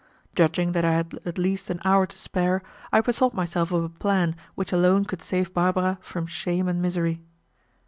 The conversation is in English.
Judging that I had at least an hour to spare, I bethought myself of a plan which alone could save Barbara from shame and misery.